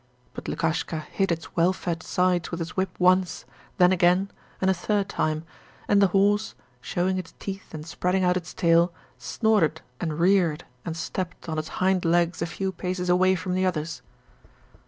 But Lukashka hit its well fed sides with his whip once, then again, and a third time, and the horse, showing its teeth and spreading out its tail, snorted and reared and stepped on its hind legs a few paces away from the others.